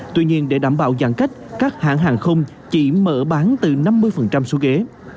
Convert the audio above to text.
tuy nhiên để đảm bảo giãn cách các hãng hàng không chỉ mở bán từ năm mươi số ghế